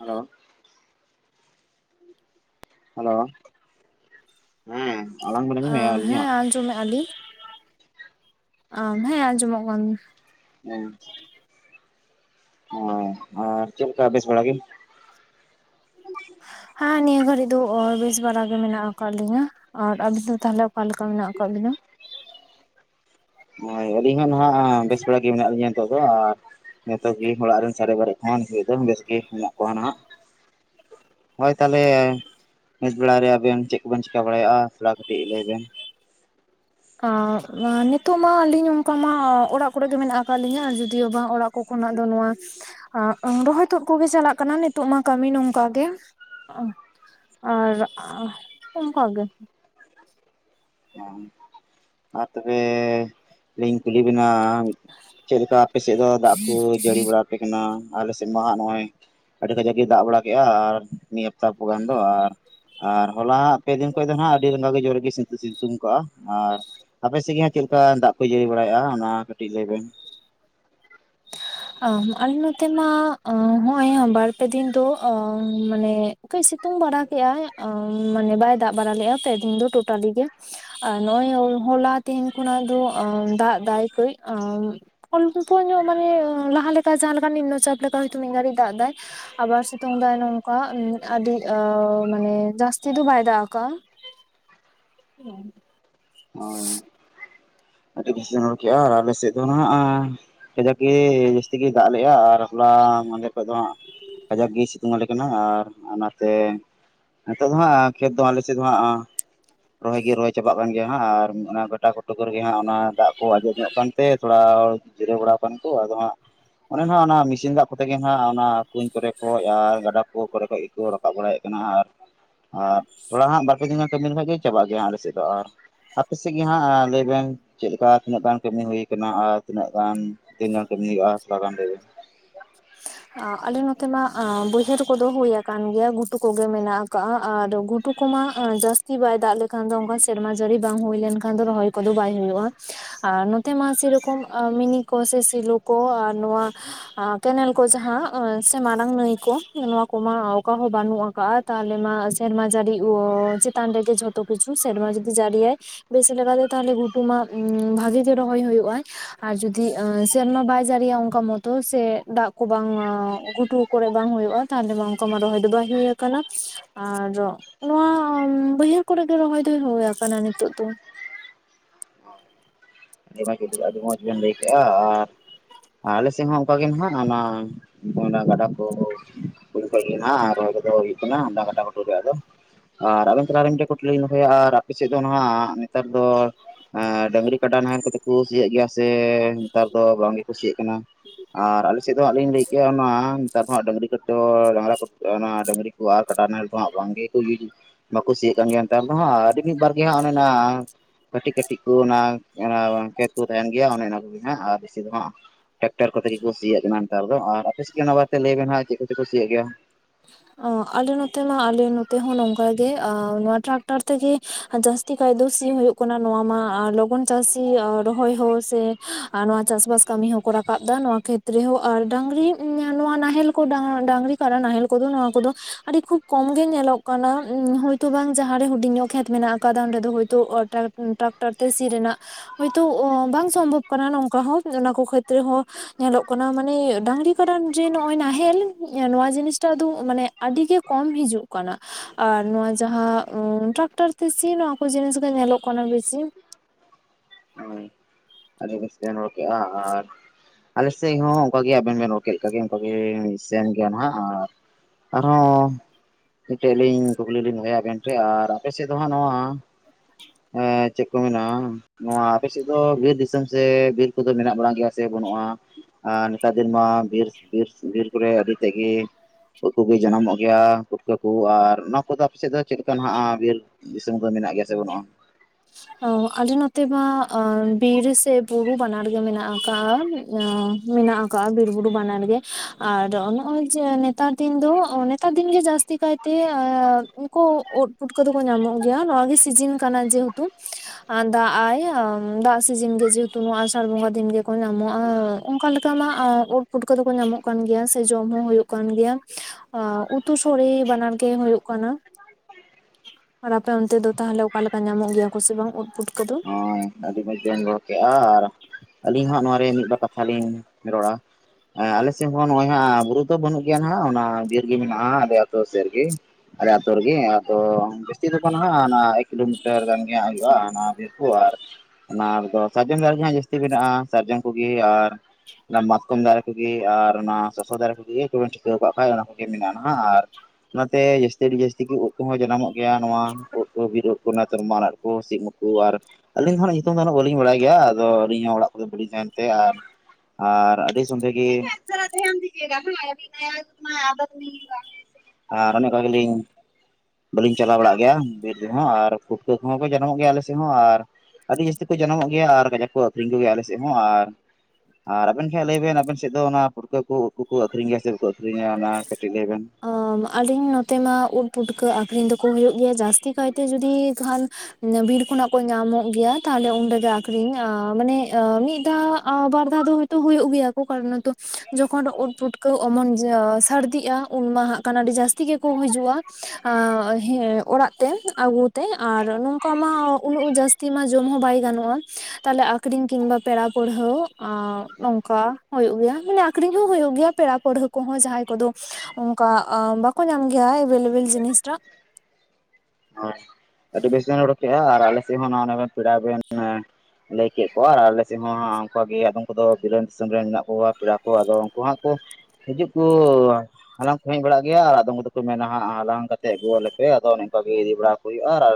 ᱚ ᱦᱮᱞᱳ ᱦᱩᱸ ᱟ ᱦᱮᱸ ᱟᱸᱡᱚᱢᱮᱫ-ᱟ ᱞᱤᱧ ᱦᱮᱸ ᱟᱸᱡᱚᱢᱚᱜ ᱠᱟᱱ ᱜᱮᱭᱟ᱾ ᱦᱮᱸ ᱦᱮ ᱦᱮ ᱟᱨ ᱪᱮᱫ ᱞᱮᱠᱟ ᱵᱮᱥ ᱵᱟᱲᱟ ᱜᱮ? ᱦᱟ ᱱᱤᱭᱟᱹ ᱜᱷᱟᱹᱲᱤᱡ ᱫᱚ ᱵᱮᱥ ᱵᱟᱲᱟ ᱜᱮ ᱢᱮᱱᱟᱜ ᱟᱠᱟᱫ ᱞᱤᱝᱟᱹ᱾ ᱟᱨ ᱟᱵᱤᱱ ᱫᱚ ᱛᱟᱦᱚᱞᱮ ᱚᱠᱟᱞᱮ ᱞᱮᱠᱟ ᱢᱮᱱᱟᱜ ᱟᱠᱟᱫ ᱵᱤᱱᱟ? ᱦᱳᱭ, ᱟᱹᱞᱤᱧ ᱦᱚᱸ ᱱᱟᱦᱟᱜ ᱵᱮᱥ ᱵᱮᱲᱟ ᱜᱮ ᱢᱮᱱᱟᱜ ᱞᱤᱧᱟᱹ᱾ ᱱᱤᱛᱚᱜ ᱫᱚ, ᱟᱨ ᱱᱤᱛᱚᱜ ᱜᱮ ᱚᱲᱟᱜ ᱨᱮᱱ ᱥᱟᱨᱮ ᱵᱟᱨᱮ ᱠᱚᱦᱚᱸ ᱫᱚ ᱵᱮᱥ ᱜᱮ ᱢᱮᱱᱟᱜ ᱠᱚᱣᱟ ᱱᱟᱦᱟᱜ᱾ ᱦᱳᱭ ᱛᱟᱦᱚᱞᱮ᱾ [unintelligible] ᱪᱮᱫ ᱠᱚᱵᱮᱱ ᱪᱤᱠᱟᱹᱵᱟᱲᱭᱟᱜᱼᱟ ᱛᱷᱚᱲᱟ ᱠᱟᱹᱴᱤᱡ ᱞᱟᱹᱭ ᱵᱮᱱ? [unintelligible] ᱱᱤᱛᱚᱜ ᱢᱟ ᱟᱹᱞᱤᱧ ᱚᱱᱠᱟ ᱢᱟ ᱚᱲᱟᱜ ᱠᱚᱨᱮ ᱜᱮ ᱢᱮᱱᱟᱜ ᱟᱠᱟᱫ ᱞᱤᱧᱟᱹ ᱡᱩᱫᱤᱭᱳ ᱵᱟᱝ ᱚᱲᱟᱜ ᱟᱠᱚ ᱠᱷᱚᱱᱟᱜ ᱫᱚ ᱱᱚᱣᱟ ᱮ ᱨᱚᱦᱚᱭ ᱛᱩᱫ ᱠᱚᱜᱮ ᱪᱟᱞᱟᱜ ᱠᱟᱱᱟ ᱱᱤᱛᱚᱜ ᱢᱟ ᱠᱟᱹᱢᱤ ᱱᱚᱝᱠᱟ ᱜᱮ᱾ ᱚ ᱟᱨ [unintelligible] ᱚᱱᱠᱟ ᱜᱮ᱾ [unintelligible] ᱟᱨ ᱛᱚᱵᱮ ᱞᱤᱧ ᱠᱩᱞᱤ ᱵᱮᱱᱟ, ᱪᱮᱫᱞᱠᱟ ᱟᱯᱮᱥᱮᱫ ᱫᱚ ᱫᱟᱜ ᱠᱚ ᱡᱟᱹᱲᱤ ᱵᱟᱲᱟᱯᱮ ᱠᱟᱱᱟ, ᱟᱞᱮᱥᱮᱫ ᱢᱟᱜ ᱱᱚᱜᱼᱚᱭ᱾ ᱟᱹᱰᱤ ᱠᱟᱡᱟᱠ ᱫᱟᱜ ᱵᱟᱲᱟ ᱠᱮᱫᱼᱟ, ᱟᱨ ᱱᱤᱭᱟᱹ [unintelligible] ᱫᱚ ᱟᱨ ᱟᱨ ᱦᱚᱞᱟ ᱦᱟᱸᱜ ᱯᱮ ᱫᱤᱱ ᱠᱷᱚᱡ ᱫᱚ ᱦᱟᱸᱜ ᱟᱹᱰᱤ ᱨᱟᱸᱜᱟᱣ ᱜᱮ ᱡᱳᱨ ᱜᱮ ᱥᱤᱛᱩ [unintelligible] ᱛᱩᱝ ᱠᱚᱜᱼᱟ ᱟᱨ ᱟᱯᱮ ᱥᱮᱫ ᱜᱮ ᱦᱟᱸᱜ ᱪᱮᱞ ᱠᱟ ᱫᱟᱜ ᱠᱚ ᱡᱟᱹᱲᱤ ᱵᱟᱲᱟᱭᱮᱫᱼᱟ ᱚᱱᱟ ᱠᱟᱹᱴᱤᱡ ᱞᱟᱹᱭ ᱵᱮᱱ? ᱟᱞᱮ ᱱᱚᱛᱮ ᱢᱟ ᱦᱚᱸᱜᱼᱚᱭ ᱵᱟᱨ ᱯᱮ ᱫᱤᱱ ᱫᱚ ᱢᱟᱱᱮ, ᱠᱟᱹᱭ ᱥᱤᱛᱩᱝ ᱵᱟᱲᱟ ᱠᱮᱜ-ᱟᱭ ᱢᱟᱱᱮ ᱵᱟᱭ ᱫᱟᱜ ᱵᱟᱲᱟ ᱞᱮᱫᱼᱟ ᱯᱮ ᱫᱤᱱ ᱫᱚ ᱴᱳᱴᱟᱞᱤ ᱜᱮ, ᱟᱨ ᱱᱚᱜᱼᱚᱭ ᱦᱚᱞᱟ ᱛᱮᱦᱮᱧ ᱠᱷᱚᱱᱟᱜ ᱫᱚ ᱫᱟᱜ ᱫᱟᱭ ᱠᱟᱹᱡ, ᱯᱷᱚᱞ ᱡᱩᱫᱟᱹ ᱧᱚᱜ ᱢᱟᱱᱮ ᱞᱟᱦᱟ ᱞᱮᱠᱟ ᱡᱟᱦᱟᱸᱞᱮᱠᱟ ᱱᱤᱢᱱᱳ ᱪᱟᱯ ᱞᱮᱠᱟ ᱦᱚᱭᱛᱚ ᱢᱤᱫ ᱜᱷᱟᱹᱲᱤᱡ ᱫᱟᱜ ᱫᱟᱭ᱾ ᱟᱵᱟᱨ ᱥᱤᱛᱩᱝ ᱫᱟᱭ ᱱᱚᱝᱠᱟ ᱟᱹᱰᱤ ᱢᱟᱱᱮ ᱡᱟᱹᱥᱛᱤ ᱫᱚ ᱫᱟᱜ ᱠᱟᱜᱼᱟ᱾ ᱦᱩᱸ [inaudible] [unintelligible] ᱟᱹᱰᱤ ᱵᱷᱤᱥᱚᱱ ᱨᱚᱲ ᱠᱮ-ᱟ ᱟᱨ ᱟᱞᱮᱥᱮᱫ ᱫᱚ ᱱᱟᱦᱟᱜ ᱮᱸ ᱠᱟᱡᱟᱠᱮ ᱡᱟᱹᱥᱛᱤ ᱜᱮ ᱫᱟᱜ ᱞᱮᱜᱼᱟ ᱟᱨ, ᱦᱚᱞᱟ ᱢᱟᱸᱦᱫᱮᱨ ᱠᱷᱚᱡ ᱫᱚ ᱦᱟᱸᱜ ᱠᱟᱡᱟᱠ ᱜᱮ, ᱥᱤᱛᱩᱝ ᱟᱞᱮ ᱠᱟᱱᱟ ᱟᱨ ᱚᱱᱟᱛᱮ ᱱᱤᱛᱚᱜ ᱫᱚ ᱦᱟᱸᱜ ᱠᱷᱮᱛ ᱫᱚ ᱦᱟᱸᱜ ᱟᱞᱮ ᱥᱮᱫ ᱫᱚ ᱦᱟᱸᱜ, ᱨᱚᱦᱚᱭ ᱜᱮ ᱨᱚᱦᱚᱭ ᱪᱟᱵᱟᱜ ᱠᱟᱱ ᱦᱟᱸᱜ ᱟᱨ ᱚᱱᱟ ᱵᱮᱴᱟ ᱠᱩᱴᱟᱹ ᱠᱚᱨᱮ ᱜᱮ ᱦᱟᱸᱜ ᱚᱱᱟ ᱫᱟᱜ ᱠᱚ ᱟᱡᱮᱫ ᱧᱚᱜ ᱠᱟᱱᱛᱮ ᱛᱷᱚᱲᱟ ᱡᱤᱨᱟᱹᱣ ᱵᱟᱲᱟ, ᱵᱟᱝ ᱠᱚ ᱟᱫᱚ ᱦᱟᱸᱜ᱾ ᱚᱱᱮ ᱱᱟᱭᱟ ᱚᱱᱟ ᱢᱮᱥᱤᱱ ᱫᱟᱜ ᱠᱚᱛᱮ ᱜᱮ ᱱᱟᱜ ᱚᱱᱟ ᱠᱩᱧ ᱠᱚᱨᱮ ᱠᱷᱚᱡ ᱟᱨ ᱜᱟᱰᱟ ᱠᱚ ᱠᱚᱨᱮ ᱠᱷᱚᱡ, ᱨᱟᱠᱟᱵ ᱵᱟᱲᱟᱭᱮᱫ ᱠᱟᱱᱟ ᱟᱨ ᱟᱨ ᱛᱷᱚᱲᱟ ᱦᱟᱸᱜ ᱵᱟᱨ ᱯᱮ ᱫᱤᱱ ᱠᱟᱹᱢᱤ ᱞᱮᱠᱷᱟᱡ ᱜᱮ ᱪᱟᱵᱟᱜ ᱜᱮᱭᱟ ᱟᱞᱮ ᱥᱮᱫ ᱫᱚ ᱟᱨ, ᱟᱯᱮᱥᱮᱫ ᱜᱮ ᱦᱟᱸᱜ ᱞᱟᱹᱭ ᱵᱮᱱ ᱪᱮᱫ ᱞᱮᱠᱟ ᱛᱤᱱᱟᱹᱜ ᱜᱟᱱ ᱠᱟᱹᱢᱤ ᱦᱩᱭ ᱠᱟᱱᱟ ᱟᱨ ᱛᱤᱱᱟᱹᱜ ᱜᱟᱱ, ᱛᱤᱱ ᱦᱚᱲ ᱠᱟᱹᱢᱤ ᱦᱩᱭᱩᱜ-ᱟ ᱛᱷᱚᱲᱟ ᱜᱟᱱ ᱞᱟᱹᱭ ᱵᱮᱱ? [inaudible] ᱟᱞᱮ ᱱᱚᱛᱮ ᱢᱟ ᱵᱟᱹᱭᱦᱟᱹᱲ ᱠᱚᱫᱚ ᱦᱩᱭ ᱟᱠᱟᱱ ᱜᱮᱭᱟ ᱜᱷᱩᱴᱩ ᱠᱚᱜᱮ ᱢᱮᱱᱟᱜ ᱠᱟᱜ-ᱟ ᱟᱨ, ᱴᱩ ᱠᱚᱢᱟ ᱡᱟᱹᱥᱛᱤ ᱵᱟᱭ ᱫᱟᱜ ᱞᱮᱠᱷᱟᱱ ᱫᱚ ᱚᱱᱠᱟ ᱥᱮᱨᱢᱟ ᱡᱟᱹᱲᱤ ᱵᱟᱝ ᱦᱩᱭ ᱞᱮᱱᱠᱷᱟᱱ ᱫᱚ ᱨᱚᱦᱚᱭ ᱠᱚᱫᱚ ᱵᱟᱭ ᱦᱩᱭᱩᱜᱼᱟ᱾ ᱟᱨ ᱱᱚᱛᱮ ᱢᱟ ᱥᱮᱨᱚᱠᱚᱢ ᱢᱤᱱᱤ ᱠᱚ ᱥᱮ ᱥᱮᱞᱩ ᱠᱚ ᱟᱨ ᱱᱚᱣᱟ, ᱠᱮᱱᱮᱞ ᱠᱚ ᱡᱟᱦᱟᱸ ᱥᱮ ᱢᱟᱨᱟᱝ ᱱᱟᱹᱭ ᱠᱚ ᱱᱚᱣᱟ ᱠᱚᱢᱟ ᱚᱠᱟ ᱦᱚᱸ ᱵᱟᱹᱱᱩᱜ ᱠᱟᱜ-ᱟ᱾ ᱛᱟᱦᱚᱞᱮ ᱢᱟ ᱥᱮᱨᱢᱟ ᱡᱟᱹᱲᱤ ᱪᱮᱛᱟᱱ ᱨᱮᱜᱮ ᱡᱷᱚᱛᱚ ᱠᱤᱪᱷᱩ ᱥᱮᱨᱢᱟ ᱡᱩᱫᱤ ᱡᱟᱹᱲᱤᱭᱟᱭ, ᱵᱮᱥ ᱞᱮᱠᱟᱛᱮ ᱛᱟᱦᱞᱮ ᱜᱷᱩᱴᱩ ᱢᱟ ᱵᱷᱟᱜᱤ ᱡᱮ ᱨᱚᱦᱚᱭ ᱦᱩᱭᱩᱜᱼᱟ ᱟᱨ ᱡᱩᱫᱤ ᱥᱮᱱᱢᱟ ᱵᱟᱭ ᱡᱟᱹᱨᱤᱭᱟ ᱠᱚ ᱢᱚᱛᱚ, ᱥᱮ ᱫᱟᱜ ᱠᱚ ᱵᱟᱝ ᱜᱷᱩᱴᱩ ᱠᱚᱨᱮ ᱵᱟᱝ ᱦᱩᱭᱩᱜᱼᱟ ᱛᱟᱦᱚᱞᱮ ᱢᱟ ᱚᱱᱠᱟ ᱢᱟ ᱨᱚᱦᱚᱭ ᱫᱚ ᱵᱟᱭ ᱦᱩᱭ ᱟᱠᱟᱱᱟ᱿ ᱟᱨ ᱱᱚᱣᱟ ᱵᱟᱹᱭᱦᱟᱹᱲ ᱠᱚᱨᱮᱜ ᱜᱮ ᱨᱚᱦᱚᱭ ᱫᱚ ᱦᱩᱭ ᱟᱠᱟᱱᱟ ᱱᱤᱛᱚᱜ ᱫᱚ᱿ ᱟᱹᱰᱤ ᱢᱚᱸᱡᱽ ᱩᱫᱩᱜᱼᱟ ᱟᱹᱰᱤ ᱢᱚᱸᱡᱽ ᱵᱮᱱ ᱞᱟᱹᱭ ᱠᱮᱜᱼᱟ ᱟᱨ ᱟᱞᱮ ᱥᱮᱱ ᱦᱚᱸ ᱚᱱᱠᱟᱜ ᱜᱮ ᱱᱟᱦᱟᱜ ᱚᱱᱟ᱿ ᱜᱟᱰᱟ ᱠᱚ [unintelligible] ᱦᱩᱭᱩᱜ ᱠᱟᱱᱟ ᱜᱟᱰᱟ ᱜᱷᱩᱴᱩ ᱟᱫᱚ, ᱟᱨ ᱟᱵᱮᱱ ᱛᱟᱞᱟ ᱨᱮᱱ [unintelligible] ᱫᱚᱦᱚᱭᱟ ᱟᱨ ᱟᱯᱮ ᱥᱮᱫ ᱫᱚ ᱱᱟᱜ ᱱᱮᱛᱟᱨ ᱫᱚ, ᱰᱟᱹᱝᱨᱤ ᱠᱟᱰᱟ ᱱᱟᱦᱮᱞ ᱠᱟᱛᱮ ᱠᱩ ᱥᱤ ᱭᱮᱜ ᱜᱮᱭᱟ ᱥᱮ ᱱᱮᱛᱟᱨ ᱫᱚ ᱵᱟᱝ ᱜᱮ ᱠᱩ ᱥᱤᱭᱮᱜ ᱠᱟᱱᱟ? ᱟᱨ ᱟᱞᱮ ᱥᱮᱫ ᱫᱚ ᱦᱟᱸᱜ ᱞᱤᱧ ᱞᱟᱹᱭ ᱠᱮᱜᱟ ᱚᱱᱟ, ᱛᱟᱨ ᱯᱚᱨᱮ ᱦᱟᱸᱜ ᱰᱟᱹᱝᱨᱤ ᱠᱚᱴᱚ ᱰᱟᱝᱨᱟ ᱠᱚ ᱚᱱᱟ ᱰᱟᱹᱝᱨᱤ ᱠᱩ ᱟᱨ ᱠᱟᱴᱟ ᱱᱟᱦᱮᱞ ᱠᱚ ᱦᱟᱸᱜ ᱵᱟᱝ ᱜᱮ ᱠᱚ ᱤᱭᱟᱹ ᱡᱩᱛ ᱾ ᱵᱟᱠᱩ ᱥᱤᱭᱟᱜ ᱠᱟᱱ ᱜᱮᱭᱟ ᱱᱮᱛᱟᱨ ᱫᱚ ᱦᱟᱸᱜ ᱟᱹᱰᱤ ᱢᱤᱫ ᱵᱟᱨ ᱜᱮ ᱦᱟᱸᱜ ᱚᱱᱮ ᱚᱱᱟ ᱠᱟᱹᱴᱤᱡ ᱠᱟᱹᱴᱤᱡ ᱠᱩ ᱚᱱᱟ ᱚᱱᱟ ᱵᱟᱝ ᱠᱷᱮᱛ ᱠᱚ ᱜᱮᱭᱟ ᱚᱱᱮ ᱚᱱᱟ ᱠᱚᱜᱮ ᱦᱟᱸᱜ ᱟᱨ ᱵᱤᱥᱤ ᱫᱚ ᱦᱟᱸᱜ ᱴᱮᱠᱴᱟᱨ ᱠᱚᱛᱮ ᱜᱮᱠᱩ ᱥᱤᱭᱮᱜ ᱠᱟᱱᱟ ᱱᱮᱛᱟᱨ ᱫᱚ, ᱟᱨ ᱟᱯᱮ ᱥᱮᱫ ᱚᱱᱟ ᱵᱟᱨᱮᱛᱮ ᱞᱟᱹᱭᱵᱤᱱ ᱦᱟᱸᱜ ᱪᱮᱫ ᱠᱚᱪᱚ ᱠᱚ ᱥᱤᱭᱮᱜ ᱜᱮᱭᱟ? ᱚ, ᱟᱞᱮ ᱱᱚᱛᱮ ᱢᱟ ᱟᱞᱮ ᱱᱚᱛᱮ ᱦᱚᱸ ᱱᱚᱝᱠᱟᱜ ᱜᱮ ᱮᱸ ᱱᱚᱣᱟ ᱴᱨᱟᱠᱴᱟᱨ ᱛᱮᱜᱮ ᱡᱟᱥ ᱛᱤ ᱠᱟᱭ ᱫᱚ ᱥᱤ ᱦᱳᱭᱳᱜ ᱠᱟᱱᱟ ᱱᱚᱣᱟ ᱢᱟ ᱞᱚᱜᱚᱱ ᱪᱟᱹᱥᱤ ᱨᱚᱦᱚᱭ ᱦᱚᱸ ᱥᱮ ᱟᱨ ᱱᱚᱣᱟ ᱪᱟᱥᱵᱟᱥ ᱠᱟᱹᱢᱤ ᱦᱚᱸ ᱠᱚ ᱨᱟᱠᱟᱵ ᱫᱟ ᱱᱚᱣᱟ ᱠᱷᱮᱛ ᱨᱮᱦᱚᱸ ᱟᱨ ᱰᱟᱝᱨᱤ ᱱᱚᱭᱟ ᱱᱟᱦᱮᱞ ᱠᱚ ᱰᱟᱝ ᱰᱟᱸᱝᱨᱤ ᱠᱟᱨᱟ ᱱᱟᱦᱮᱞ ᱠᱚᱫᱚ ᱱᱚᱣᱟ ᱠᱚᱫᱚ ᱟᱹᱰᱤ ᱠᱷᱩᱵ ᱠᱚᱢ ᱜᱮ ᱧᱮᱞᱚᱜ ᱠᱟᱱᱟ, ᱦᱚᱭᱛᱳ ᱵᱟᱝ ᱡᱟᱦᱟᱸᱨᱮ ᱦᱩᱰᱤᱧ ᱧᱚᱜ ᱠᱷᱮᱛ ᱢᱮᱱᱟᱜ ᱟᱠᱟᱫᱟ ᱚᱸᱰᱮ ᱫᱚ ᱛᱳ ᱟ ᱴᱨᱟᱠ ᱴᱨᱟᱠᱴᱟᱨ ᱛᱮ ᱥᱤ ᱨᱮᱱᱟᱜ ᱦᱳᱭᱛᱳ ᱵᱟᱝ ᱥᱚᱢᱵᱷᱚᱵ ᱠᱟᱱᱟ ᱱᱚᱝᱠᱟ ᱦᱚᱸ ᱚᱱᱟ ᱠᱚ ᱠᱷᱮᱛᱨᱮ ᱦᱚᱸ ᱧᱮᱞᱚᱜ ᱠᱟᱱᱟ ᱢᱟᱱᱮ ᱰᱟᱸᱝᱨᱤ ᱠᱟᱨᱚᱱ ᱡᱮ ᱱᱚᱜᱼᱚᱭ ᱱᱟᱦᱮᱞ ᱱᱟᱭᱟ ᱡᱤᱱᱤᱥ ᱴᱟᱜ ᱫᱚ ᱢᱟᱱᱮ ᱟᱹᱰᱤ ᱜᱮ ᱠᱚᱢ ᱦᱤᱡᱩᱜ ᱠᱟᱱᱟ ᱟᱨ ᱱᱚᱣᱟ ᱡᱟᱦᱟᱸ ᱴᱨᱟᱠᱴᱟᱨ ᱛᱮ ᱥᱤ ᱱᱚᱣᱟ ᱠᱚ ᱡᱤᱱᱤᱥ ᱜᱮ ᱧᱮᱞᱚᱜ ᱠᱟᱱᱟ ᱵᱤᱥᱤ ᱾ ᱟᱹᱰᱤ ᱵᱮᱥ ᱛᱮᱢ ᱨᱚᱲ ᱠᱮᱜ-ᱟ ᱟᱨ ᱟᱞᱮ ᱥᱮᱫ ᱦᱚᱸ ᱚᱱᱠᱟ ᱜᱮ ᱟᱵᱮᱱ ᱵᱮᱱ ᱨᱚᱲ ᱠᱮᱜ ᱞᱮᱠᱟᱜᱮ ᱚᱱᱠᱟ ᱜᱮ ᱥᱮᱱ ᱜᱮᱭᱟ ᱱᱟᱦᱜ ᱟᱨᱦᱚ ᱢᱤᱫᱴᱮᱡ ᱞᱤᱧ ᱠᱩᱠᱞᱤ ᱞᱤᱧ ᱫᱚᱦᱚᱭᱟ ᱟᱵᱮᱱ ᱴᱷᱮᱡ ᱟᱨ ᱟᱯᱮ ᱥᱮᱫ ᱫᱚ ᱦᱟᱸᱜ ᱱᱚᱣᱟ ᱮᱸ ᱪᱮᱫ ᱠᱚ ᱢᱮᱱᱟ ᱱᱚᱣᱟ ᱟᱯᱮ ᱥᱮᱫ ᱫᱚ ᱵᱤᱨ ᱫᱤᱥᱚᱢ ᱥᱮ ᱵᱤᱨ ᱠᱚᱫᱚ ᱢᱮᱱᱟᱜ ᱵᱟᱲᱟ ᱜᱮᱭᱟ ᱥᱮ ᱵᱟᱹᱱᱩᱜᱼᱟ? ᱟᱨ ᱱᱮᱛᱟᱨ ᱫᱤᱱ ᱢᱟ ᱵᱤᱨ ᱵᱤᱨ ᱵᱤᱨ ᱠᱚᱨᱮ ᱟᱹᱰᱤ ᱛᱮᱫ ᱜᱮ ᱩᱫ ᱠᱩᱠᱩ ᱡᱟᱱᱟᱢᱚᱜ ᱜᱮᱭᱟ ᱯᱩᱴᱠᱟᱹ ᱠᱚ ᱟᱨ ᱚᱱᱟ ᱠᱚᱫᱚ ᱟᱯᱮ ᱥᱮᱫ ᱫᱚ ᱪᱮᱫ ᱞᱮᱠᱟ ᱱᱟᱦᱟᱜ ᱟᱸ ᱵᱤᱨ ᱫᱤᱥᱚᱢ ᱠᱚᱨᱮ ᱢᱮᱱᱟᱜ ᱜᱮᱭᱟ ᱥᱮ ᱵᱟᱹᱱᱩᱜᱼᱟ? ᱚ, ᱟᱞᱮ ᱱᱚᱛᱮ ᱢᱟ ᱵᱤᱨ ᱥᱮ ᱵᱩᱨᱩ ᱵᱟᱱᱟᱨ ᱜᱮ ᱢᱮᱱᱟᱜ ᱟᱠᱟᱜ-ᱟ ᱾ ᱟᱸ ᱢᱮᱱᱟᱜ ᱟᱠᱟᱜ-ᱟ ᱵᱤᱨ ᱵᱩᱨᱩ ᱵᱟᱱᱟᱨ ᱜᱮ ᱟᱨ ᱱᱚᱜᱼᱚᱭ ᱡᱮ ᱱᱮᱛᱟᱨ ᱫᱤᱱ ᱫᱚ ᱚᱱᱮ ᱱᱮᱛᱟᱨ ᱫᱤᱱ ᱜᱮ ᱡᱟᱹᱥᱛᱤ ᱠᱟᱭᱛᱮ ᱩᱱᱠᱩ ᱩᱫ ᱯᱩᱴᱠᱟᱹ ᱫᱚᱠᱚ ᱧᱟᱢᱚᱜ ᱜᱮᱭᱟ ᱱᱚᱣᱟ ᱜᱮ ᱥᱤᱡᱤᱱ ᱠᱟᱱᱟ ᱡᱮᱦᱩᱛ ᱛᱩ ᱾ ᱟᱨ ᱫᱟᱜᱼᱟᱭ ᱫᱟᱜ ᱥᱤᱡᱤᱱ ᱜᱮ ᱡᱮᱦᱩᱛᱩ ᱱᱚᱣᱟ ᱟᱥᱟᱲ ᱵᱚᱸᱜᱟ ᱫᱤᱱ ᱜᱮᱠᱚ ᱧᱟᱢᱚᱜᱼᱟ ᱾ ᱚᱱᱠᱟ ᱞᱮᱠᱟ ᱢᱟ ᱩᱫ, ᱯᱩᱴᱠᱟᱹ ᱫᱚᱠᱚ ᱧᱟᱢᱚᱜ ᱠᱟᱱ ᱜᱮᱭᱟ ᱥᱮ ᱡᱚᱢ ᱦᱚᱸ ᱦᱩᱭᱩᱜ ᱠᱟᱱ ᱜᱮᱭᱟ ᱾ ᱟᱸ ᱩᱛᱩ, ᱥᱳᱲᱮ ᱵᱟᱱᱟᱨ ᱜᱮ ᱦᱩᱭᱩᱜ ᱠᱟᱱᱟ ᱾ ᱟᱨ ᱟᱯᱮ ᱚᱱᱛᱮ ᱫᱚ ᱛᱟᱦᱚᱞᱮ ᱚᱠᱟ ᱞᱮᱠᱟ ᱧᱟᱢᱚᱜ ᱜᱮᱭᱟ ᱠᱚ ᱥᱮ ᱵᱟᱝ ᱩᱫ ᱯᱩᱴᱠᱟᱹ ᱫᱚ? ᱦᱮᱸ ᱟᱹᱰᱤ ᱢᱚᱸᱡᱽ ᱵᱮᱱ ᱨᱚᱲ ᱠᱮᱫᱼᱟ ᱟᱨ ᱟᱹᱞᱤᱧ ᱦᱚᱸ ᱦᱟᱸᱜ ᱱᱚᱣᱟᱨᱮ ᱢᱤᱫ ᱵᱟᱨ ᱠᱟᱛᱷᱟ ᱞᱤᱧ ᱨᱚᱲᱟ ᱾ ᱮᱸᱜ ᱟᱞᱮ ᱥᱮᱫ ᱦᱚᱸ ᱱᱚᱜᱼᱚᱭ ᱦᱟᱸᱜ ᱵᱩᱨᱩ ᱫᱚ ᱵᱟᱹᱱᱩᱜ ᱜᱮᱭᱟ ᱱᱟᱦᱟᱸᱜ ᱚᱱᱟ ᱵᱤᱨ ᱨᱮᱜᱮ ᱢᱮᱱᱟᱜᱼᱟ ᱟᱞᱮ ᱟᱛᱳ ᱥᱮᱫ ᱨᱮᱜᱮ ᱾ ᱟᱞᱮ ᱟᱛᱳ ᱨᱮᱜᱮ ᱟᱫᱚ ᱡᱟᱹᱥᱛᱤ ᱫᱚ ᱠᱟᱱᱟ ᱦᱟᱸᱜ ᱚᱱᱟ ᱮᱠ ᱠᱤᱞᱳᱢᱤᱴᱟᱨ ᱜᱟᱱ ᱜᱮ ᱦᱩᱭᱩᱜᱼᱟ ᱾ ᱚᱱᱟ ᱵᱤᱨ ᱠᱚ ᱟᱨ ᱚᱱᱟ ᱨᱮᱫᱚ ᱥᱟᱨᱡᱚᱢ ᱫᱟᱨᱮ ᱜᱮ ᱡᱟᱹᱥᱛᱤ ᱢᱮᱱᱟᱜᱼᱟ ᱥᱟᱨᱡᱚᱢ ᱠᱚᱜᱮ ᱟᱨ ᱚᱱᱟ ᱢᱟᱛᱠᱚᱢ ᱫᱟᱨᱮ ᱠᱚᱜᱮ, ᱟᱨ ᱚᱱᱟ ᱥᱚᱥᱚ ᱫᱟᱨᱮ ᱠᱚᱜᱮ ᱵᱮᱱ ᱴᱷᱤᱠᱟᱹᱣ ᱠᱟᱜ ᱠᱷᱟᱱ ᱚᱱᱟ ᱠᱚᱜᱮ ᱢᱮᱱᱟᱜᱼᱟ ᱱᱟᱦᱟᱜ, ᱟᱨ ᱚᱱᱟ ᱛᱮ ᱡᱟᱹᱥᱛᱤ ᱟᱹᱰᱤ ᱡᱟᱹᱥᱛᱤ ᱜᱮ ᱩᱫ ᱠᱚᱦᱚᱸ ᱡᱟᱱᱟᱢᱚᱜ ᱜᱮᱭᱟ ᱱᱚᱣᱟ ᱩᱫ ᱠᱚ ᱵᱤᱨ ᱩᱫ ᱠᱚ, ᱚᱱᱟ ᱛᱚᱨᱢᱟᱞ ᱟᱫ ᱠᱚ, ᱥᱤᱢ ᱩᱫ ᱠᱚ ᱟᱨ ᱟᱹᱞᱤᱧ ᱦᱚ ᱱᱟᱜ ᱧᱩᱛᱩᱢ ᱫᱚ ᱩᱱᱟᱹᱜ ᱵᱟᱹᱞᱤᱧ ᱵᱟᱲᱟᱭ ᱜᱮᱭᱟ ᱟᱫᱚ ᱟᱹᱞᱤᱧ ᱦᱚᱸ ᱚᱲᱟᱜ ᱠᱚᱨᱮ ᱫᱚ ᱵᱟᱹᱞᱤᱧ ᱛᱟᱦᱮᱱ ᱛᱮ ᱟᱨ ᱟᱨ ᱟᱹᱰᱤ ᱥᱚᱸᱫᱮ ᱜᱮ [unintelligible] ᱟᱨ ᱚᱱᱮ ᱚᱱᱠᱟ ᱜᱮᱞᱤᱧ ᱵᱟᱹᱞᱤᱧ ᱪᱟᱞᱟᱣ ᱵᱟᱲᱟᱜ ᱜᱮᱭᱟ ᱵᱤᱨ ᱨᱮ ᱦᱚᱸ ᱟᱨ ᱯᱩᱴᱠᱟᱹ ᱠᱚᱦᱚᱸ ᱠᱚ ᱡᱟᱱᱟᱢᱚᱜ ᱜᱮᱭᱟ ᱟᱞᱮ ᱥᱮᱫ ᱦᱚᱸ ᱟᱨ ᱟᱹᱰᱤ ᱡᱟᱹᱥᱛᱤ ᱡᱟᱱᱟᱢᱚᱜ ᱜᱮᱭᱟ ᱟᱨ ᱠᱟᱡᱟᱠ ᱠᱚ ᱟᱹᱠᱷᱨᱤᱧ ᱠᱚᱜᱮᱭᱟ ᱟᱞᱮ ᱥᱮᱫ ᱦᱚᱸ ᱟᱨ ᱟᱨ ᱟᱵᱮᱱ ᱜᱮ ᱦᱟᱸᱜ ᱞᱟᱹᱭ ᱵᱮᱱ ᱟᱵᱮᱱ ᱥᱮᱫ ᱫᱚ ᱚᱱᱟ ᱯᱩᱠᱟᱹ ᱠᱚ, ᱩᱫ ᱠᱩᱠᱚ ᱟᱹᱠᱷᱨᱤᱧ ᱜᱮᱭᱟ ᱥᱮ ᱵᱟᱠᱚ ᱟᱹᱠᱷᱨᱤᱧᱟ ᱚᱱᱟ ᱠᱟᱹᱴᱤᱡ ᱞᱟᱹᱭ ᱵᱮᱱ? ᱟᱸ ᱟᱹᱞᱤᱧ ᱱᱚᱛᱮ ᱢᱟ ᱩᱫ ᱯᱩᱴᱠᱟᱹ ᱟᱠᱷᱨᱤᱧ ᱫᱚᱠᱚ ᱦᱩᱭᱩᱜ ᱜᱮᱭᱟ ᱡᱟᱹᱥᱛᱤ ᱠᱟᱭᱛᱮ ᱡᱩᱫᱤ ᱠᱷᱟᱱ ᱵᱤᱨ ᱠᱷᱚᱱᱟᱜ ᱠᱚ ᱧᱟᱢᱚᱜ ᱜᱮᱭᱟ ᱛᱟᱦᱞᱮ ᱚᱸᱰᱮ ᱜᱮ ᱟᱠᱷᱨᱤᱧ ᱟᱸ ᱢᱟᱱᱮ ᱢᱤᱫ ᱫᱷᱟᱣ ᱵᱟᱨ ᱫᱷᱟᱣ ᱫᱚ ᱦᱩᱭᱩᱜ ᱜᱮᱭᱟ ᱠᱚ ᱠᱟᱨᱚᱱ ᱛᱚ ᱡᱚᱠᱷᱚᱱ ᱩᱫ ᱯᱩᱴᱠᱟᱹ ᱚᱢᱚᱱ ᱥᱟᱨ ᱫᱤᱜ-ᱟ ᱩᱱᱢᱟ ᱦᱟᱸᱜ ᱠᱷᱟᱱ ᱟᱹᱰᱤ ᱡᱟᱹᱥᱛᱤ ᱜᱮᱠᱚ ᱦᱤᱡᱩᱜ-ᱟ ᱚᱲᱟᱜ ᱛᱮ ᱛᱮ ᱟᱨ ᱱᱚᱝᱠᱟ ᱢᱟ ᱩᱱᱟᱹᱜ ᱡᱟᱹᱥᱛᱤ ᱢᱟ ᱡᱚᱢ ᱦᱚᱸ ᱵᱟᱭ ᱜᱟᱱᱚᱜ-ᱟ᱾ ᱛᱟᱦᱚᱞᱮ ᱟᱠᱷᱨᱤᱧ ᱠᱤᱝᱵᱟ ᱯᱮᱲᱟ ᱯᱟᱹᱲᱦᱟᱹ ᱱᱚᱝᱠᱟ ᱦᱩᱭᱩᱜ ᱜᱮᱭᱟ ᱢᱟᱱᱮ ᱟᱠᱷᱨᱤᱧ ᱦᱚᱸ ᱦᱩᱭᱩᱜ ᱜᱮᱭᱟ ᱯᱮᱲᱟ ᱯᱟᱹᱲᱦᱟᱹ- ᱠᱚᱦᱚᱸ ᱡᱟᱦᱟᱸᱭ ᱠᱚᱫᱚ ᱚᱱᱠᱟ ᱵᱟᱠᱚ ᱧᱟᱢ ᱜᱮᱭᱟ ᱮᱵᱮᱞᱮᱵᱮᱞ ᱡᱤᱱᱤᱥᱴᱟᱜ ᱦᱳᱭ ᱟᱹᱰᱤ ᱵᱮᱥ ᱵᱤᱱ ᱨᱚᱲ ᱠᱮᱜ-ᱟ ᱟᱨ ᱟᱞᱮ ᱥᱮᱫ ᱦᱚᱸ ᱱᱟᱜ ᱵᱮᱱ ᱯᱮᱲᱟ ᱵᱮᱱ ᱞᱟᱹᱭ ᱠᱮᱫ ᱠᱚᱣᱟ ᱟᱨ ᱟᱞᱮᱥᱮᱫ ᱦᱚᱸ ᱚᱱᱠᱟ ᱜᱮ ᱟᱫᱚᱢ ᱠᱚᱫᱚ ᱵᱤᱨᱮᱱ ᱫᱤᱥᱚᱢ ᱨᱮᱱ ᱢᱮᱱᱟᱜ ᱠᱚᱣᱟ ᱯᱮᱲᱟ ᱟᱫᱚ ᱩᱱᱠᱩ ᱦᱟᱸᱜ ᱠᱚ ᱦᱤᱡᱩᱜ ᱠᱚ ᱦᱟᱞᱟᱝ ᱠᱚ ᱦᱮᱡ ᱵᱟᱲᱟᱜ ᱜᱮᱭᱟ ᱟᱨ ᱟᱫᱚᱢ ᱠᱚᱫᱚ ᱠᱚ ᱢᱮᱱᱟ ᱦᱟᱸᱜ ᱦᱟᱞᱟᱝ ᱠᱟᱛᱮ ᱟᱹᱜᱩᱣᱟᱞᱮᱯᱮ ᱾ ᱟᱫᱚ ᱚᱱᱮ ᱚᱱᱠᱟ ᱜᱮ ᱤᱫᱤ ᱵᱟᱲᱟ ᱟᱠᱚ ᱦᱩᱭᱩᱜ-ᱟ ᱟᱨ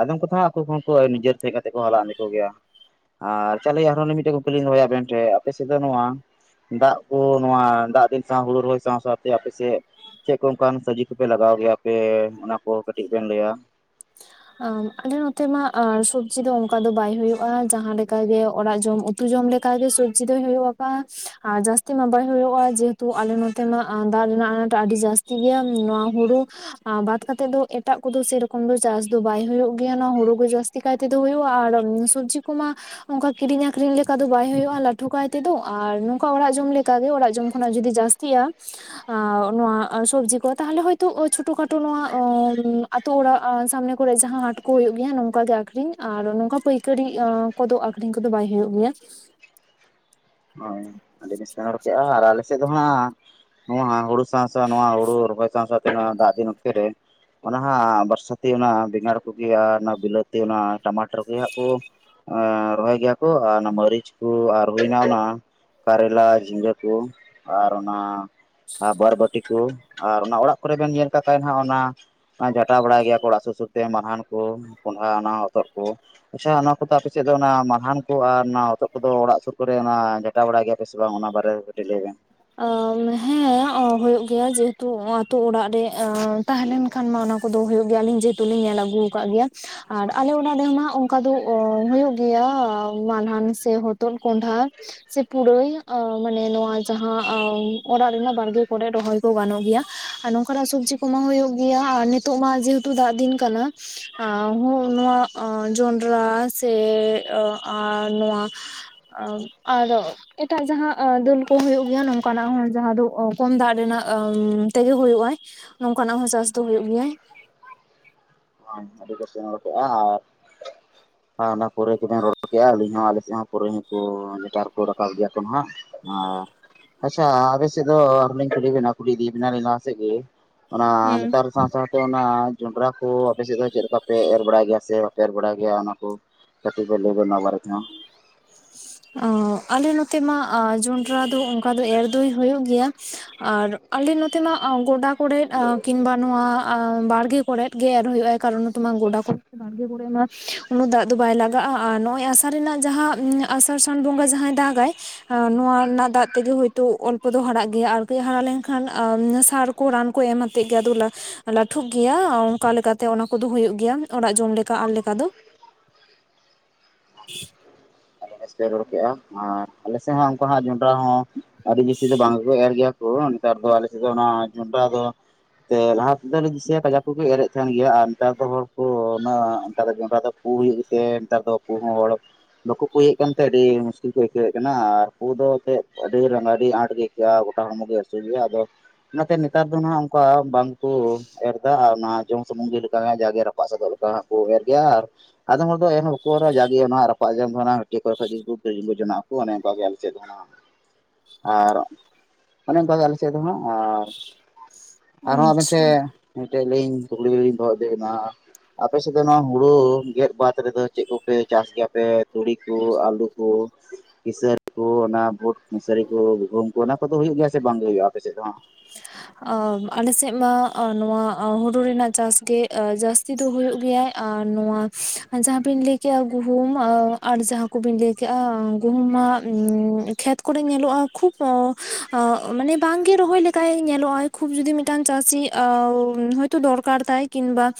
ᱟᱫᱚᱢ ᱠᱚᱫᱚ ᱦᱟᱜ ᱟᱠᱚ ᱠᱚᱦᱚᱸ ᱱᱤᱡᱮᱨ ᱛᱮ ᱦᱮᱡ ᱠᱟᱛᱮ ᱠᱚ ᱦᱟᱞᱟᱝ ᱤᱫᱤ ᱠᱚ ᱜᱮᱭᱟ᱾ ᱟᱨ ᱛᱟᱦᱞᱮ ᱟᱨᱦᱚᱸ ᱢᱤᱫᱴᱮᱡ ᱠᱩᱠᱞᱤᱧ ᱫᱚᱦᱚᱭᱟ ᱟᱵᱮᱱ ᱴᱷᱮᱱ ᱟᱯᱮ ᱥᱮᱫ ᱫᱚ ᱱᱚᱣᱟ ᱫᱟᱜ ᱠᱚ ᱱᱚᱣᱟ ᱫᱟᱜ ᱫᱤᱱ ᱥᱟᱶ ᱦᱩᱲᱩ ᱨᱚᱦᱚᱭ ᱥᱟᱶ ᱥᱟᱶᱛᱮ ᱟᱯᱮᱥᱮᱫ ᱪᱮᱫ ᱠᱚ ᱚᱱᱠᱟᱱ ᱥᱚᱵᱽᱡᱤ ᱠᱚᱯᱮ ᱞᱟᱜᱟᱣ ᱜᱮᱭᱟ ᱟᱯᱮ, ᱚᱱᱟ ᱠᱚ ᱠᱟᱹᱴᱤᱡ ᱵᱮᱱ ᱞᱟᱹᱭᱟ ᱾ ᱟ ᱟᱞᱮ ᱱᱚᱛᱮ ᱢᱟ ᱥᱚᱵᱽᱡᱤ ᱫᱚ ᱚᱱᱠᱟ ᱫᱚ ᱵᱟᱭ ᱦᱩᱭᱩᱜ-ᱟ ᱡᱟᱦᱟᱸ ᱞᱮᱠᱟ ᱜᱮ ᱚᱲᱟᱜ ᱡᱚᱢ ᱩᱛᱩ ᱡᱚᱢ ᱞᱮᱠᱟ ᱜᱮ ᱥᱚᱵᱽᱡᱤ ᱫᱚᱭ ᱦᱩᱭᱩᱜ-ᱟ ᱦᱟᱜ ᱟᱨ ᱡᱟᱹᱥᱛᱤ ᱢᱟ ᱵᱟᱭ ᱦᱩᱭᱩᱜ-ᱟ ᱡᱮᱦᱮᱛᱩ ᱟᱞᱮ ᱱᱚ ᱛᱮ ᱢᱟ ᱫᱟᱜ ᱨᱮᱱᱟᱜ ᱟᱱᱟᱴ ᱟᱹᱰᱤ ᱡᱟᱹᱥᱛᱤ ᱜᱮᱭᱟ ᱾ ᱱᱚᱣᱟ ᱦᱩᱲᱩ ᱟ ᱵᱟᱫ ᱠᱟᱛᱮᱫ ᱫᱚ ᱮᱴᱟᱜ ᱠᱚᱫᱚ ᱥᱮᱨᱚᱠᱚᱢ ᱫᱚ ᱪᱟᱥ ᱫᱚ ᱵᱟᱭ ᱦᱩᱭᱩᱜ ᱜᱮᱭᱟ ᱱᱚᱣᱟ ᱦᱩᱲᱩ ᱜᱮ ᱡᱟᱹᱥᱛᱤ ᱠᱟᱭ ᱛᱮᱫᱚ ᱦᱩᱭᱩᱜ-ᱟ ᱟᱨ ᱥᱚᱵᱡᱤ ᱠᱚᱢᱟ ᱚᱱᱠᱟ ᱠᱤᱨᱤᱧ ᱟᱠᱷᱨᱤᱧ ᱞᱮᱠᱟ ᱫᱚ ᱵᱟᱭ ᱦᱩᱭᱩᱜ-ᱟ ᱞᱟᱹᱴᱩ ᱠᱟᱭ ᱛᱮᱫᱚ ᱟᱨ ᱱᱚᱝᱠᱟ ᱚᱲᱟᱜ ᱡᱚᱢ ᱞᱮᱠᱟᱜᱮ ᱚᱲᱟᱜ ᱡᱚᱢ ᱠᱷᱚᱱᱟᱜ ᱡᱚᱫᱤ ᱡᱟᱹᱥ ᱛᱤᱜ-ᱟ ᱟ ᱱᱚᱣᱟ ᱥᱚᱵᱡᱤ ᱠᱚ ᱛᱟᱦᱞᱮ ᱦᱚᱭᱛᱳ ᱪᱷᱳᱴᱳ ᱠᱷᱟᱴᱳ ᱱᱚᱣᱟ ᱟᱛᱳ ᱚᱲᱟᱜ ᱥᱟᱢᱱᱮ ᱠᱚᱨᱮ ᱡᱟᱦᱟᱸ ᱦᱟᱴ ᱠᱚ ᱦᱩᱭᱩᱜ ᱜᱮᱭᱟ ᱱᱚᱝᱠᱟ ᱜᱮ ᱟᱠᱷᱨᱤᱧ ᱟᱨ ᱱᱚᱝᱠᱟ ᱯᱟᱹᱭᱠᱟᱹᱨᱤ ᱠᱚᱫᱚ ᱟᱠᱷᱨᱤᱧ ᱠᱚᱫᱚ ᱵᱟᱭ ᱦᱩᱭᱩᱜ ᱜᱮᱭᱟ ᱾ ᱦᱳᱭ ᱟᱹᱰᱤ ᱵᱮᱥ ᱯᱮ ᱩᱰᱚᱠᱮᱜ-ᱟ ᱟᱨ ᱟᱞᱮ ᱥᱮᱫ ᱫᱚ ᱦᱟᱜ ᱱᱚᱣᱟ ᱦᱩᱲᱩ ᱥᱟᱶ ᱥᱟᱶ ᱱᱚᱣᱟ ᱦᱩᱲᱩ ᱨᱚᱦᱚᱭ ᱥᱟᱶ ᱥᱟᱶᱟᱛᱮ ᱦᱟᱜ ᱫᱟᱜ ᱫᱤᱱ ᱚᱠᱛᱮ ᱨᱮ ᱚᱱᱟ ᱦᱟᱸ ᱵᱚᱨᱥᱟᱛᱮ ᱚᱱᱟ ᱵᱮᱸᱜᱟᱲ ᱠᱚᱜᱮ ᱟᱨ ᱚᱱᱟ ᱵᱤᱞᱟᱹᱛᱤ ᱚᱱᱟ ᱴᱟᱢᱟᱴᱚᱨ ᱜᱮ ᱦᱟᱸᱜ ᱠᱚ ᱨᱚᱦᱚᱭ ᱜᱮᱭᱟ ᱠᱚ ᱟᱨ ᱚᱱᱟ ᱢᱟᱹᱨᱤᱪ ᱠᱚ ᱟᱨ ᱦᱩᱭ ᱮᱱᱟ ᱚᱱᱟ ᱠᱟᱨᱞᱟ ᱡᱷᱤᱸᱜᱟᱹ ᱠᱚ ᱟᱨ ᱚᱱᱟ ᱟᱨ ᱵᱟᱨ ᱵᱟᱹᱴᱤ ᱠᱚ ᱟᱨ ᱚᱱᱟ ᱚᱲᱟᱜ ᱠᱚᱨᱮ ᱵᱮᱱ ᱧᱮᱞ ᱠᱟᱜ ᱠᱷᱟᱡ ᱦᱟᱜ ᱚᱱᱟ ᱡᱷᱟᱴᱟ ᱵᱟᱲᱟᱭ ᱜᱮᱭᱟ ᱠᱚ ᱚᱲᱟᱜ ᱥᱩᱨ ᱥᱩᱨᱛᱮ ᱢᱟᱞᱦᱟᱱ ᱠᱚ ᱠᱚᱸᱰᱷᱟ ᱚᱱᱟ ᱦᱚᱛᱚᱫ ᱠᱚ ᱾ ᱟᱪᱪᱷᱟ ᱱᱚᱣᱟ ᱠᱚᱫᱚ ᱟᱯᱮᱥᱮᱫ ᱫᱚ ᱚᱱᱟ ᱢᱟᱞᱦᱟᱱ ᱠᱚ ᱟᱨ ᱦᱚᱛᱚᱜ ᱠᱚᱫᱚ ᱚᱲᱟᱜ ᱥᱩᱨ ᱠᱚᱨᱮ ᱚᱱᱟ [unintelligible] ᱵᱟᱲᱟ ᱜᱮᱭᱟ ᱥᱮ ᱵᱟᱝ ᱚᱱᱟ ᱵᱟᱨᱮ ᱛᱮ ᱠᱟᱹᱴᱤᱡ ᱞᱟᱹᱭ ᱵᱮᱱ ᱾ ᱚ ᱦᱮᱸ ᱦᱩᱭᱩᱜ ᱜᱮᱭᱟ ᱡᱮᱦᱮᱛᱩ ᱟᱛᱳ ᱚᱲᱟᱜ ᱨᱮ ᱛᱟᱦᱮᱸ ᱞᱮᱱᱠᱷᱟᱱ ᱢᱟ ᱚᱱᱟ ᱠᱚᱫᱚ ᱦᱩᱭᱩᱜ ᱜᱮᱭᱟ ᱟᱞᱤᱧ ᱡᱮᱦᱮᱛᱩ ᱞᱤᱧ ᱧᱮᱞ ᱟᱹᱜᱩ ᱟᱠᱟᱫ ᱜᱮᱭᱟ ᱾ ᱟᱨ ᱟᱞᱮ ᱚᱲᱟᱜ ᱨᱮᱦᱚᱸ ᱱᱟᱜ ᱚᱱᱠᱟ ᱫᱚ ᱦᱩᱭᱩᱜ ᱢᱟᱞᱦᱟᱱ ᱥᱮ ᱦᱚᱛᱚᱫ ᱠᱚᱸᱰᱷᱟ ᱥᱮ ᱯᱩᱨᱟᱹᱭ ᱟ ᱢᱟᱱᱮ ᱱᱚᱣᱟ ᱡᱟᱦᱟᱸ ᱚᱲᱟᱜ ᱨᱮᱱᱟᱜ ᱵᱟᱲᱜᱮ ᱠᱚᱨᱮ ᱨᱚᱦᱚᱭ ᱠᱚ ᱜᱟᱱᱚᱜ ᱜᱮᱭᱟ ᱾ ᱟᱨ ᱱᱚᱝᱠᱟᱱᱟᱜ ᱥᱚᱵᱽᱡᱤ ᱠᱚᱢᱟ ᱦᱩᱭᱩᱜ ᱜᱮᱭᱟ ᱟᱨ ᱱᱤᱛᱚᱜ ᱢᱟ ᱡᱮᱦᱮᱛᱩ ᱫᱟᱜ ᱫᱤᱱ ᱠᱟᱱᱟ [unintelligible] ᱱᱚᱣᱟ ᱡᱚᱸᱰᱨᱟ ᱥᱮ ᱱᱚᱶᱟ ᱟᱨ ᱮᱴᱟᱜ ᱡᱟᱦᱟᱸ ᱫᱟᱹᱞ ᱠᱚ ᱦᱳᱭᱳᱜ ᱜᱮᱭᱟ ᱱᱚᱝᱠᱟᱱᱟᱜ ᱦᱚᱸ ᱡᱟᱦᱟᱸ ᱫᱚ ᱠᱚᱢ ᱫᱟᱜ ᱨᱮᱱᱟᱜ ᱛᱮᱜᱮ ᱦᱳᱭᱳᱜ-ᱟ ᱾ ᱱᱚᱝᱠᱟᱱᱟᱜ ᱦᱚᱸ ᱪᱟᱥ ᱫᱚ ᱦᱩᱭᱩᱜ ᱜᱮᱭᱟ ᱾ [unintelligible] ᱟᱨ ᱚᱱᱟ ᱯᱩᱨᱟᱹᱭ ᱜᱮᱵᱮᱱ ᱨᱚᱲ ᱠᱮᱫᱮᱜ-ᱟ ᱟᱹᱞᱤᱧ ᱦᱚᱸ ᱟᱞᱮᱥᱮᱫ ᱦᱚᱸ ᱯᱩᱨᱟᱹᱭ ᱦᱚᱸᱠᱚ ᱱᱮᱛᱟᱨ ᱠᱚ ᱨᱟᱠᱟᱵ ᱜᱮᱭᱟ ᱠᱚ ᱦᱟᱸᱜ ᱾ [inaudible] ᱟᱪᱪᱷᱟ ᱟᱯᱮᱥᱮᱫ ᱫᱚ ᱟᱨᱚᱸ ᱞᱤᱧ ᱠᱩᱞᱤ ᱵᱮᱱᱟ ᱠᱩᱞᱤ ᱤᱫᱤᱭ ᱵᱮᱱᱟ ᱞᱤᱧ ᱞᱟᱦᱟᱥᱮᱫ ᱜᱮ ᱚᱱᱟ ᱦᱩᱸ ᱱᱮᱛᱟᱨ ᱥᱟᱶ ᱥᱟᱶᱛᱮ ᱚᱱᱟ ᱡᱚᱱᱰᱨᱟ ᱠᱚ ᱟᱯᱮ ᱥᱮᱫ ᱫᱚ ᱪᱮᱫ ᱞᱮᱠᱟ ᱯᱮ ᱮᱨ ᱵᱟᱲᱟᱭ ᱜᱮᱭᱟ ᱥᱮ ᱮᱨ ᱵᱟᱲᱟ ᱜᱮᱭᱟ ᱚᱱᱟ ᱠᱚ ᱠᱟᱹᱴᱤᱡ ᱠᱚ ᱞᱟᱹᱭᱵᱮᱱ ᱱᱚᱣᱟ ᱵᱟᱨᱮ ᱛᱮᱦᱚᱸ ᱾ ᱚᱸᱻ ᱟᱞᱮ ᱱᱚᱛᱮ ᱢᱟ ᱟᱸ ᱡᱚᱱᱰᱨᱟ ᱫᱚ ᱚᱝᱠᱟ ᱫᱚ ᱮᱨ ᱫᱚᱭ ᱦᱩᱭᱩᱜ ᱜᱮᱭᱟ ᱾ ᱟᱨ ᱟᱞᱮ ᱱᱚᱛᱮ ᱢᱟ ᱟᱸ ᱜᱚᱰᱟ ᱠᱚᱨᱮᱫ ᱟᱸ ᱠᱤᱱᱵᱟ ᱱᱚᱣᱟ ᱟᱸ ᱵᱟᱲᱜᱮ ᱠᱚᱨᱮᱫ ᱜᱮ ᱮᱨ ᱦᱩᱭᱩᱜᱼᱟ ᱠᱟᱨᱚᱱ ᱦᱚᱛᱚ ᱢᱟ ᱜᱚᱰᱟ ᱠᱚ ᱵᱟᱲᱜᱮ ᱠᱚᱨᱮ ᱢᱟ ᱩᱱᱟᱹᱜ ᱫᱟᱜ ᱫᱚ ᱵᱟᱭ ᱞᱟᱜᱟᱜᱼᱟ ᱟᱨ ᱱᱚᱜᱼᱚᱭ ᱟᱥ ᱥᱟ ᱨᱮᱱᱟᱜ ᱡᱟᱦᱟᱸ ᱟᱥᱟᱲᱥᱟᱱ ᱵᱚᱸᱜᱟ ᱡᱟᱦᱟᱸᱭ ᱫᱟᱜᱟᱭ, ᱟ ᱱᱚᱣᱟ ᱨᱮᱱᱟᱜ ᱫᱟᱜ ᱛᱮᱜᱮ ᱦᱳᱭᱛᱳ ᱚᱞᱯᱚ ᱫᱚ ᱦᱟᱨᱟᱜ ᱜᱮᱭᱟ ᱟᱨ ᱠᱟᱹᱡ ᱦᱟᱨᱟ ᱞᱮᱝᱠᱷᱟᱱ ᱟ ᱥᱟᱨ ᱠᱚ ᱨᱟᱱ ᱠᱚ ᱮᱢ ᱟᱛᱮᱫ ᱜᱮ ᱟᱫᱚ ᱞᱟ ᱞᱟᱹᱴᱷᱩᱜ ᱜᱮᱭᱟ ᱚᱱᱠᱟ ᱞᱮᱠᱟᱛᱮ ᱚᱱᱟ ᱠᱚᱫᱚ ᱦᱩᱭᱩᱜ ᱜᱮᱭᱟ ᱚᱲᱟᱜ ᱡᱚᱢ ᱞᱮᱠᱟ ᱟᱨ ᱞᱮᱠᱟ ᱫᱚ ᱾ [inaudible] [inaudible] ᱮᱥᱯᱮᱨ ᱨᱚᱲᱚ ᱠᱮᱜᱼᱟ ᱟᱨ ᱟᱞᱮᱥᱮᱫ ᱦᱚᱸ ᱩᱝᱠᱩ ᱦᱟᱸᱜ ᱡᱚᱱᱰᱨᱟ ᱦᱚᱸ ᱟᱹᱰᱤ ᱵᱮᱥᱤ ᱫᱚ ᱵᱟᱝ ᱜᱮᱠᱚ ᱮᱨ ᱜᱮᱭᱟ ᱠᱚ ᱱᱮᱛᱟᱨ ᱫᱚ ᱟᱞᱮ ᱥᱮᱫ ᱫᱚ ᱚᱱᱟ ᱡᱚᱱᱰᱨᱟ ᱫᱚ ᱾ ᱛᱮ ᱞᱟᱦᱟ ᱛᱮᱫᱚᱞᱮ ᱫᱤᱥᱟᱹᱭᱟ ᱠᱟᱡᱟ ᱠᱚᱜᱮ ᱮᱨᱮᱫ ᱛᱟᱦᱮᱱ ᱜᱮᱭᱟ ᱾ ᱟᱨ ᱱᱮᱛᱟᱨ ᱫᱚ ᱦᱚᱲ ᱠᱚ ᱚᱱᱟ ᱱᱮᱛᱟᱨ ᱫᱚ ᱡᱚᱸᱰᱨᱟ ᱫᱚ ᱯᱩ ᱦᱩᱭᱩᱜ ᱜᱮᱛᱮ ᱱᱮᱛᱟᱨ ᱫᱚ ᱯᱩ ᱦᱚᱸ ᱦᱚᱲ ᱵᱟᱠᱚ ᱯᱩᱭᱮᱜ ᱠᱟᱱᱛᱮ ᱟᱹᱰᱤ ᱢᱩᱥᱠᱤᱞ ᱠᱚ ᱟᱹᱭᱠᱟᱹᱣᱮᱜ ᱠᱟᱱᱟ ᱟᱨ ᱯᱩ ᱫᱚ ᱮᱛᱮᱫ ᱟᱹᱰᱤ ᱞᱟᱝ ᱟᱹᱰᱤ ᱟᱸᱴ ᱜᱮ ᱟᱹᱭᱠᱟᱹᱜᱼᱟ ᱜᱚᱴᱟ ᱦᱚᱲᱢᱚ ᱜᱮ ᱟᱹ [unintelligible] ᱟᱫᱚ ᱚᱱᱟᱛᱮ ᱱᱮᱛᱟᱨ ᱫᱚ ᱱᱟᱦᱟᱜ ᱚᱝᱠᱟ ᱵᱟᱝᱠᱚ ᱮᱨ ᱮᱫᱟ ᱟᱨ ᱚᱱᱟ ᱡᱚᱢ ᱥᱩᱢᱩᱝ ᱜᱮ ᱞᱮᱠᱟ ᱦᱟᱸᱜ ᱡᱟᱜᱮ ᱨᱟᱯᱟᱜ ᱥᱟᱫᱚᱜ ᱞᱮᱠᱟ ᱦᱟᱸᱜ ᱠᱚ ᱮᱨ ᱜᱮᱭᱟ ᱾ ᱟᱨ ᱟᱫᱚᱢ ᱦᱚᱲ ᱫᱚ ᱮᱨ ᱦᱚᱸ ᱵᱟᱠᱚ ᱮᱨᱟ ᱡᱟᱜᱮ ᱚᱱᱟ ᱦᱟᱜ ᱨᱟᱯᱟᱜ ᱡᱚᱢ ᱫᱚ ᱱᱟᱦᱟᱜ ᱪᱮᱜ ᱠᱚᱨᱮ ᱠᱷᱚᱡ ᱜᱮ [unintelligible] ᱡᱚᱱᱟᱜ ᱟᱠᱚ ᱚᱱᱮ ᱚᱱᱠᱟ ᱜᱮ ᱟᱞᱮ ᱥᱮᱫ ᱦᱚᱸ ᱚᱱᱟ ᱟᱨ ᱚᱱᱮ ᱚᱱᱠᱟᱜᱮ ᱟᱞᱮ ᱥᱮᱫ ᱫᱚ ᱦᱟᱜ ᱟᱨ ᱟᱨ ᱦᱚᱸ ᱟᱵᱮᱱ ᱟᱪᱪᱷᱟ ᱴᱷᱮᱡᱽ ᱢᱤᱫᱴᱮᱡᱞᱤᱧ ᱠᱩᱠᱞᱤ ᱞᱤᱧ ᱫᱚᱦᱚ ᱤᱫᱤᱵᱤᱱᱟ ᱟᱯᱮᱥᱮᱫ ᱫᱚ ᱱᱚᱣᱟ ᱦᱩᱲᱩ ᱜᱮᱫ ᱵᱟᱫ ᱨᱮᱫᱚ ᱪᱮᱫ ᱠᱚᱯᱮ ᱪᱟᱥ ᱜᱮᱭᱟᱯᱮ? ᱛᱩᱲᱤ ᱠᱚ ᱟᱹᱞᱩ ᱠᱚ ᱠᱤᱥᱟᱹᱨᱤ ᱠᱚ ᱚᱱᱟ ᱵᱩᱴ ᱢᱩᱥᱟᱹᱨᱤ ᱠᱚ ᱜᱩᱦᱩᱢ ᱠᱚ ᱚᱱᱟ ᱠᱚᱫᱚ ᱦᱩᱭᱩᱜ ᱜᱮᱭᱟ ᱥᱮ ᱵᱟᱝ ᱜᱮ ᱦᱩᱭᱩᱜᱼᱟ ᱟᱯᱮᱥᱮᱫ ᱦᱟᱸᱜ? ᱟ ᱟᱞᱮᱥᱮᱫ ᱢᱟ ᱟ ᱱᱚᱣᱟ ᱟ ᱦᱩᱲᱩ ᱨᱮᱱᱟᱜ ᱪᱟᱥ ᱜᱮ ᱟ ᱡᱟᱹᱥᱛᱤ ᱫᱚ ᱦᱩᱭᱩᱜ ᱜᱮᱭᱟ ᱾ ᱟᱨ ᱱᱚᱣᱟ ᱡᱟᱦᱟᱸ ᱵᱤᱱ ᱞᱟᱹᱭ ᱠᱮᱜᱼᱟ ᱜᱩᱦᱩᱢ ᱟ ᱟᱨ ᱡᱟᱦᱟᱸ ᱠᱚᱵᱤᱱ ᱞᱟᱹᱭ ᱠᱮᱜᱼᱟ ᱜᱩᱦᱩᱢ ᱢᱟ ᱩᱸᱻ ᱠᱷᱮᱛ ᱠᱚᱨᱮ ᱧᱮᱞᱚᱜᱼᱟ ᱠᱷᱩᱵ ᱚ ᱟᱸᱜ ᱢᱟᱱᱮ ᱵᱟᱝᱜᱮ ᱨᱚᱦᱚᱭ ᱞᱮ ᱠᱟᱭ ᱧᱮᱞᱚᱜᱼᱟᱭ ᱠᱷᱩᱵ ᱡᱩᱫᱤ ᱢᱤᱫᱴᱟᱝ ᱪᱟᱹᱥᱤ ᱟᱻ ᱦᱚᱭᱛᱚ ᱫᱚᱨᱠᱟᱨ ᱛᱟᱭ ᱠᱤᱢᱵᱟ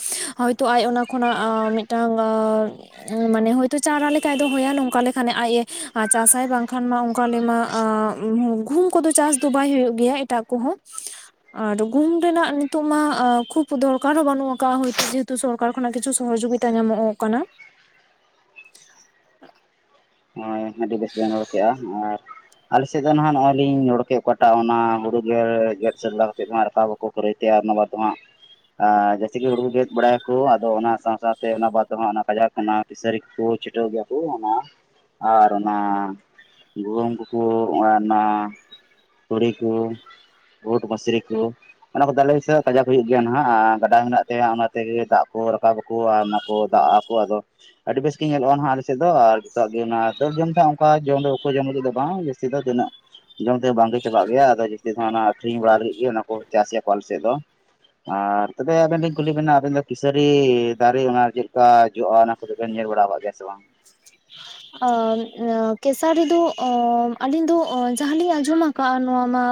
ᱛᱚ ᱟᱡ ᱚᱱᱟ ᱠᱷᱚᱱᱟᱜ ᱟᱸᱻ ᱢᱤᱫᱴᱟᱝ ᱟᱸᱻ ᱢᱟᱱᱮ ᱦᱚᱭᱛᱚ ᱪᱟᱨᱟ ᱞᱮᱠᱟᱭ ᱫᱚᱦᱚᱭᱟ ᱾ ᱱᱚᱝᱠᱟ ᱞᱮᱠᱷᱟᱱ ᱟᱡ ᱮ ᱪᱟᱥᱟᱭ ᱵᱟᱝᱠᱷᱟᱱ ᱢᱟ ᱚᱱᱠᱟ ᱞᱮᱢᱟ ᱟᱻ [inaudible] ᱜᱩᱦᱩᱢ ᱠᱚᱫᱚ ᱪᱟᱥ ᱫᱚ ᱵᱟᱭ ᱦᱩᱭᱩᱜ ᱜᱮᱭᱟ ᱮᱴᱟᱜ ᱠᱚᱦᱚᱸ ᱾ ᱟᱨ ᱜᱩᱦᱩᱢ ᱨᱮᱱᱟᱜ ᱱᱤᱛᱚᱜ ᱢᱟ ᱠᱷᱩᱵ ᱫᱚᱨᱠᱟᱨ ᱦᱚᱸ ᱵᱟᱹᱱᱩᱜ ᱠᱟᱜᱼᱟ, ᱦᱚᱭᱛᱚ ᱡᱮᱦᱮᱛᱩ ᱥᱚᱨᱠᱟᱨ ᱠᱷᱚᱱᱟᱜ ᱠᱤᱪᱷᱩ ᱥᱚᱦᱚᱡᱚᱜᱤ ᱭᱮ ᱧᱟᱢᱚᱜᱼᱚᱜ ᱠᱟᱱᱟ ᱾ ᱦᱚᱸᱭ ᱟᱹᱰᱤ ᱵᱮᱥ ᱵᱮᱱ ᱨᱚᱲ ᱠᱮᱜᱼᱟ ᱾ ᱟᱨ ᱟᱞᱮᱥᱮᱫ ᱫᱚ ᱱᱟᱦᱟᱜ ᱱᱚᱜᱼᱚᱭ ᱞᱤᱧ ᱨᱚᱲ ᱠᱮᱫ ᱚᱠᱟᱴᱟᱜ ᱚᱱᱟ ᱦᱩᱲᱩ ᱜᱮᱨ ᱜᱮᱫ ᱥᱮᱫᱽ ᱞᱟᱦᱟ ᱥᱮᱫ ᱵᱚᱱ ᱨᱟᱯᱟᱵᱚ ᱠᱚ ᱠᱚᱨᱮᱭ ᱛᱮ ᱟᱨ ᱱᱚᱣᱟ ᱠᱚ ᱦᱟᱜ ᱟᱸ ᱡᱟᱹᱥᱤ ᱜᱮ ᱦᱩᱲᱩ ᱠᱚ ᱜᱮᱫ ᱵᱟᱲᱟᱭᱟᱠᱚ ᱟᱫᱚ ᱚᱱᱟ ᱥᱟᱶ ᱼᱥᱟᱶᱛᱮ ᱚᱱᱟ ᱵᱟᱫᱽ ᱫᱚᱦᱚᱸ ᱚᱱᱟ ᱠᱟᱡᱟᱠ ᱚᱱᱟ ᱯᱤᱥᱟᱨᱤ ᱠᱚ ᱠᱚ ᱪᱷᱤᱴᱟᱹᱣ ᱜᱮᱭᱟ ᱠᱚ ᱚᱱᱟ ᱟᱨ ᱚᱱᱟ ᱜᱩᱣᱟᱹᱢ ᱠᱚᱠᱚ ᱚᱲᱟᱱᱟ ᱛᱩᱲᱤ ᱠᱚ ᱳᱴ ᱢᱟᱥᱨᱤ ᱠᱚ ᱚᱱᱟ ᱠᱚᱫᱚ ᱟᱞᱮ ᱥᱮᱫ ᱠᱟᱡᱟᱠ ᱦᱩᱭᱩᱜ ᱜᱮᱭᱟ ᱱᱟᱦᱟᱜ ᱟᱨ ᱜᱟᱰᱟ ᱢᱮᱱᱟᱜ ᱛᱮ ᱚᱱᱟᱛᱮᱜᱮ ᱫᱟᱜ ᱠᱚ ᱨᱟᱠᱟᱵ ᱟᱠᱚ ᱟᱨ ᱚᱱᱟ ᱠᱚ ᱫᱟᱜ ᱟ ᱠᱚ ᱟᱫᱚ ᱟᱹᱰᱤ ᱵᱮᱥ ᱜᱮ ᱧᱮᱞᱚᱜᱼᱟ ᱱᱟᱦᱟᱜ ᱟᱞᱮᱥᱮᱫ ᱫᱚ ᱟᱨ [inaudible] ᱜᱮ ᱚᱱᱟ ᱫᱟᱹᱞ ᱡᱚᱢ ᱫᱚ ᱚᱱᱠᱟ ᱡᱚᱢ ᱫᱚ ᱵᱟᱠᱚ ᱡᱚᱢ ᱞᱟᱹᱜᱤᱫ ᱫᱚ ᱵᱟᱝ ᱡᱟᱹᱥᱛᱤ ᱫᱚ ᱫᱟᱹᱱᱟᱹᱜ ᱡᱚᱢ ᱛᱮ ᱵᱟᱝᱜᱮ ᱪᱟᱵᱟᱜ ᱜᱮᱭᱟ ᱟᱫᱚ ᱡᱟᱹᱥᱛᱤ ᱫᱚ ᱚᱱᱟ ᱟᱠᱷᱨᱤᱧ ᱵᱟᱲᱟ ᱞᱟᱹᱜᱤᱫ ᱜᱮ ᱚᱱᱟ ᱠᱚ ᱪᱟᱥ ᱜᱮᱭᱟᱠᱚ ᱟᱞᱮ ᱥᱮᱫ ᱫᱚ ᱾ ᱟᱨ ᱛᱚᱵᱮ ᱟᱵᱮᱱ ᱞᱤᱧ ᱠᱩᱞᱤ ᱵᱮᱱᱟ ᱟᱵᱮᱱ ᱫᱚ ᱠᱤᱥᱟᱹᱨᱤ ᱫᱟᱨᱮ ᱚᱱᱟ ᱪᱮᱫ ᱞᱮᱠᱟ ᱡᱚᱜᱼᱟ, ᱚᱱᱟ ᱵᱮᱱ ᱧᱮᱞ ᱵᱟᱲᱟᱣ ᱟᱠᱟᱫ ᱜᱮᱭᱟ ᱥᱮ ᱵᱟᱝ? ᱚᱸ ᱠᱮᱥᱟᱨᱤᱫᱚ ᱚᱸ ᱟᱹᱞᱤᱧ ᱫᱚ ᱚᱸ ᱡᱟᱦᱟᱸᱞᱤᱧ ᱟᱸᱡᱚᱢᱟᱼᱼ ᱼᱠᱟᱜᱼᱟ ᱱᱚᱣᱟ ᱢᱟ